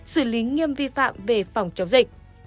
xử lý nghiêm vi phạm về phòng chống dịch